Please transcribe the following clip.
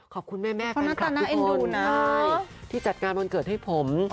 ขอบคุณแม่ครับทุกคนที่จัดงานวันเกิดให้ผม